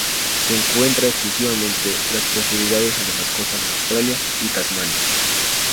Se encuentra exclusivamente en las profundidades entre las costas de Australia y Tasmania.